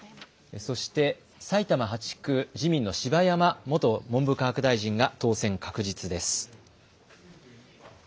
そして埼玉８区、自民の柴山元文部科学大臣が当選確実です。